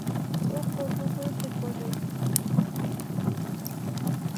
О, кооз го деп ойлогом.